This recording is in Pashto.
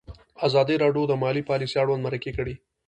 ازادي راډیو د مالي پالیسي اړوند مرکې کړي.